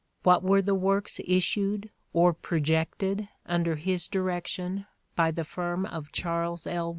What were the works issued or projected under his direction by the firm of Charles L.